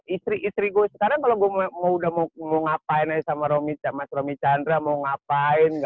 istri istri gua sekarang kalo gua mau udah mau ngapain aja sama romy chandra mau ngapain